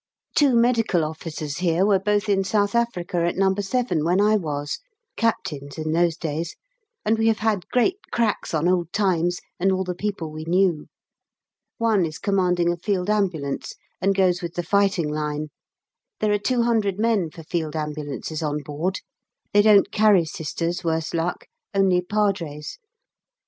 Two medical officers here were both in South Africa at No. 7 when I was (Captains in those days), and we have had great cracks on old times and all the people we knew. One is commanding a Field Ambulance and goes with the fighting line. There are 200 men for Field Ambulances on board. They don't carry Sisters, worse luck, only Padres.